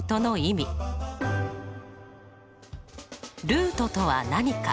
ルートとは何か。